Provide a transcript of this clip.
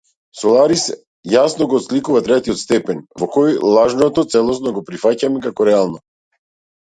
Соларис јасно го отсликува третиот степен, во кој лажното целосно го прифаќаме како реално.